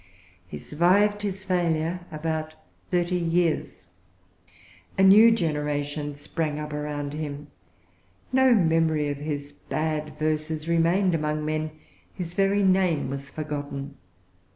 He survived his failure about thirty years. A new generation sprang up around him. No memory of his bad verses remained among men. His very name was forgotten.